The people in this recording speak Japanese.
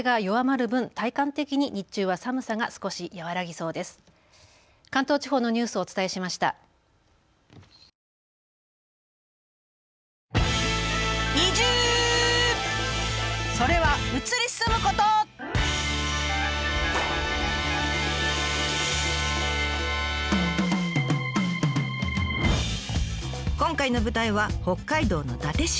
それは今回の舞台は北海道の伊達市。